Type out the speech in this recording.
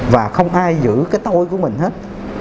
và không ai giữ cái tôi của mình hết